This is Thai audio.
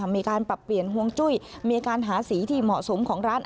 มีการปรับเปลี่ยนฮวงจุ้ยมีการหาสีที่เหมาะสมของร้าน